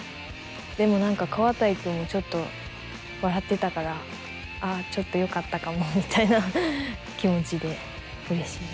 でも何かカワタイ君もちょっと笑ってたからああちょっとよかったかもみたいな気持ちでうれしいです。